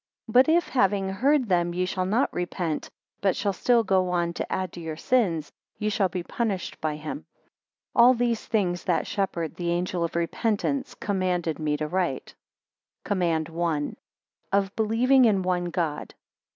9 But if having heard them ye shall not repent, but shall still go on to add to your sins, ye shall be punished by him. 10 All these things that Shepherd, the angel of repentance, commanded me to write. COMMAND I. Of believing in one God.